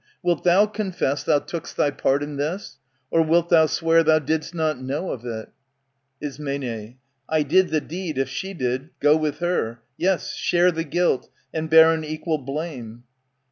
Wilt thou confess thou took'st thy part in this, Or wilt thou swear thou did'st not know of it? *Ism. I did the deedy^jf^e did^ go with her, Yes, share the guilt, and bear an equal blame.